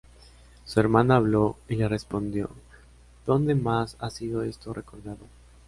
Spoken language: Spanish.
Su hermana habló y le respondió: ¿Dónde más ha sido esto recordado?